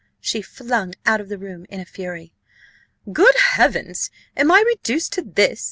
She flung out of the room in a fury. "Good Heavens! am I reduced to this?"